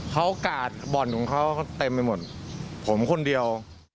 เขากาดบ่อนของเขาเต็มไปหมดผมคนเดียว